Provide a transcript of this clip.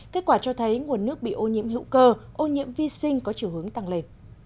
kết quả cho thấy nguồn nước bị ô nhiễm hữu cơ ô nhiễm vi sinh có chiều hướng tăng lên